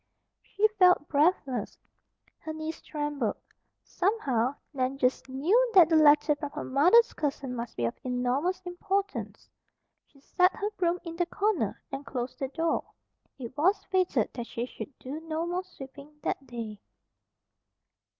She felt breathless. Her knees trembled. Somehow, Nan just KNEW that the letter from her mother's cousin must be of enormous importance. She set her broom in the corner and closed the door. It was fated that she should do no more sweeping that day.